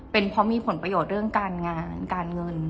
เป็นเพราะมีผลประโยชน์เรื่องการงาน